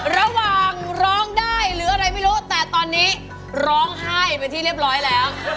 ร้องได้หรืออะไรไม่รู้แต่ตอนนี้ร้องไห้เป็นที่เรียบร้อยแล้ว